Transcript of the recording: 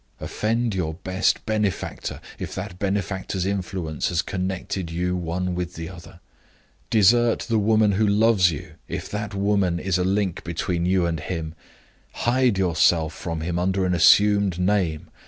Offend your best benefactor, if that benefactor's influence has connected you one with the other. Desert the woman who loves you, if that woman is a link between you and him. Hide yourself from him under an assumed name.